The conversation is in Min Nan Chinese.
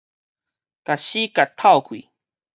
共死結敨開